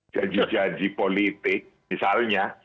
jadi jaji politik misalnya